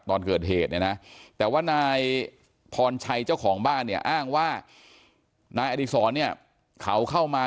ตอนเกิดเหตุเนี่ยนะแต่ว่านายพรชัยเจ้าของบ้านเนี่ยอ้างว่านายอดีศรเนี่ยเขาเข้ามา